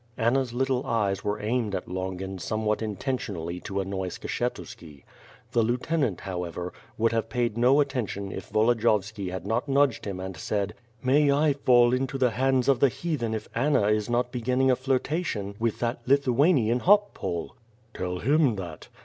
Anna's little eyes were aimed at Longin somewhat inten tionally to annoy Skshetuski. The lieutenant, however, would have paid no attention if Yolodiyovski had not nudged him and said: "May I fall into the hands of the heathen if Anna is not beginning a flirtation with that Lithuanian hop pole." "Tell him that."